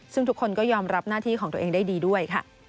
ซึ่งทุกคนก็ยอมรับหน้าที่ของตัวเองได้ดีด้วยค่ะ